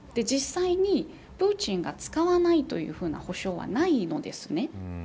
実際にプーチンが使わないというふうな保証はないのですね。